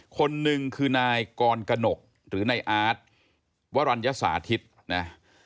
คนหนึ่งคือนายกรกนกหรือนายอาร์ตวรรณสาธิตนะ